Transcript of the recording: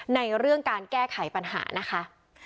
ในเรื่องการแก้ไขปัญหานะคะ